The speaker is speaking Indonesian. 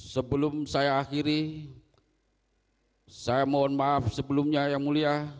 sebelum saya akhiri saya mohon maaf sebelumnya yang mulia